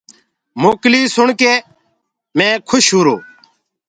موڪلي سُڻ ڪي مينٚ کوش هوگو۔